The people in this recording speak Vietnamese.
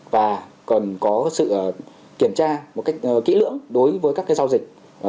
và cần có sự kiểm tra kỹ lưỡng đối với các giao dịch